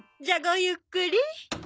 じゃあごゆっくり。